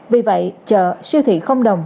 vì vậy chợ siêu thị không đồng